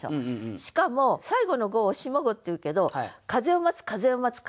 しかも最後の五を下五っていうけど「風を待つ」「風を待つ」「風を待つ」「風を待つ」。